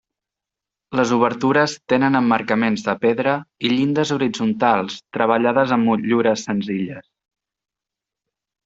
Les obertures tenen emmarcaments de pedra i llindes horitzontals treballades amb motllures senzilles.